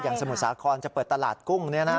อย่างสมุทรสาของจะเปิดตลาดกุ้งเนี่ยนะ